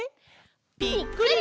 ぴっくり！